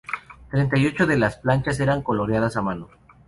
Treinta y ocho de las planchas eran coloreadas a mano.